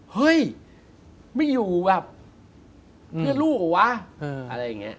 เฮ้ยไม่อยู่แบบเพื่อลูกเหรอวะอะไรอย่างนี้